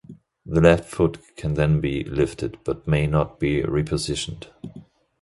The left foot can then be lifted, but may not be repositioned.